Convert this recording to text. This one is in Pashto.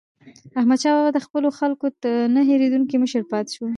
احمدشاه بابا د خپلو خلکو نه هېریدونکی مشر پاتې سو.